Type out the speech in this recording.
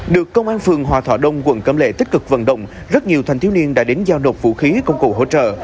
được công an phường hòa thọ đông quận cấm lệ tích cực vận động rất nhiều thanh thiếu niên đã đến giao nộp vũ khí công cụ hỗ trợ